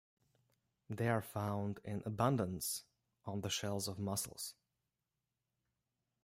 They are found in abundance on the shells of mussels.